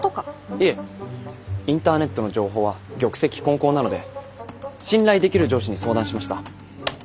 いえインターネットの情報は玉石混交なので信頼できる上司に相談しました。